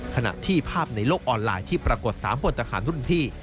ขณะที่ภาพในโลกออนไลน์ที่ปรากฏ๓พลทหารรุ่นพี่